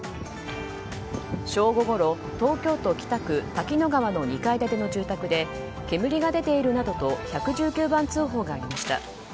正午ごろ、東京都北区滝野川の２階建ての住宅で煙が出ているなどと１１９番通報がありました。